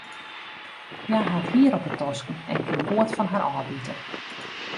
Hja hat hier op de tosken en kin goed fan har ôfbite.